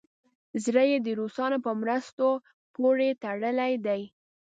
زړه یې د روسانو په مرستو پورې تړلی دی.